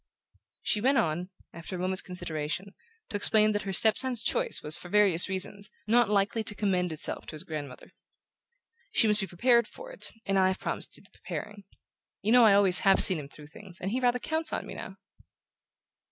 She went on, after a moment's consideration, to explain that her step son's choice was, for various reasons, not likely to commend itself to his grandmother. "She must be prepared for it, and I've promised to do the preparing. You know I always HAVE seen him through things, and he rather counts on me now."